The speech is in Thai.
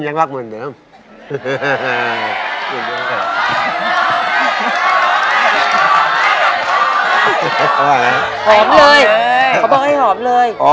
หอมเลยเขาบอกให้หอมเลย